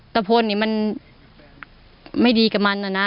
ตะพลนี่มันไม่ดีกับมันนะ